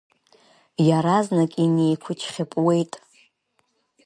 Иаразнак инеиқәычхьыпуеит.